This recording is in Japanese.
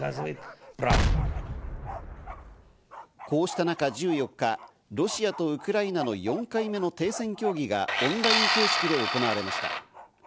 こうした中、１４日ロシアとウクライナの４回目の停戦協議がオンライン形式で行われました。